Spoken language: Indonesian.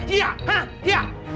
iya hah iya